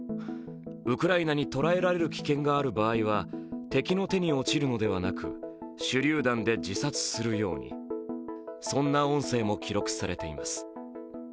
ウクライナに捕らえられる危険がある場合は敵の手に落ちるのではなく手りゅう弾で自殺するようにそんな音声も記録されています。